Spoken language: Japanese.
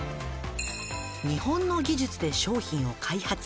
「日本の技術で商品を開発」